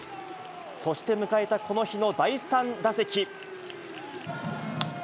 そして迎えたこの日の第３打席。